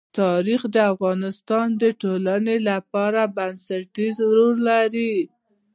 تاریخ د افغانستان د ټولنې لپاره بنسټيز رول لري.